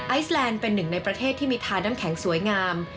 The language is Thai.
แลนด์เป็นหนึ่งในประเทศที่มีทาน้ำแข็งสวยงาม